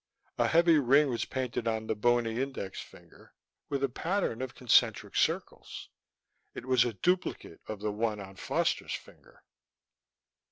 A heavy ring was painted on the bony index finger, with a pattern of concentric circles. It was a duplicate of the one on Foster's finger.